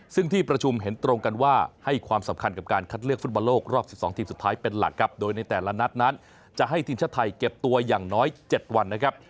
ซึ่งที่ประชุมเห็นตรงกันว่าให้ความสำคัญกับการคัดเลือกฟุตบอลโลกรอบ๑๒ทีมสุดท้ายเป็นหลักครับโดยในแต่ละนัดนั้นจะให้ทีมชาติไทยเก็บตัวอย่างน้อย๗วันนะครับ